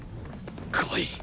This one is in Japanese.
来い！